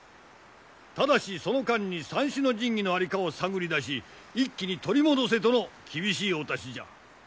ただしその間に三種の神器の在りかを探り出し一気に取り戻せとの厳しいお達しじゃ。